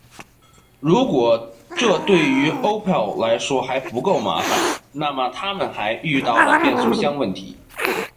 如果这对于 Opel 来说还不够麻烦，那么他们还遇到了变速箱问题。